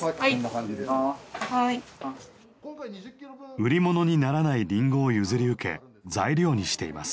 売り物にならないりんごを譲り受け材料にしています。